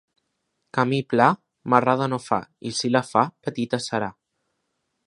Camí pla, marrada no fa, i si la fa, petita serà.